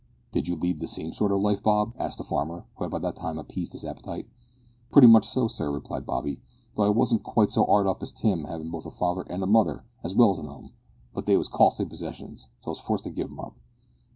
"Did you lead the same sort of life, Bob?" asked the farmer, who had by that time appeased his appetite. "Pretty much so, sir," replied Bobby, "though I wasn't quite so 'ard up as Tim, havin' both a father and mother as well as a 'ome. But they was costly possessions, so I was forced to give 'em up."